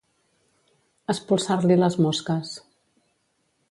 Espolsar-li les mosques.